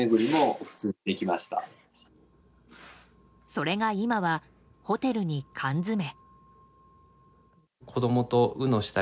それが、今はホテルに缶詰め。